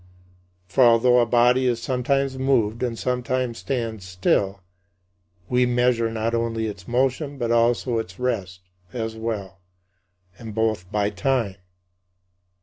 For, although a body is sometimes moved and sometimes stands still, we measure not only its motion but also its rest as well; and both by time!